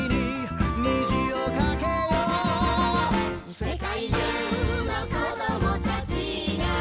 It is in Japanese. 「世界中のこどもたちが」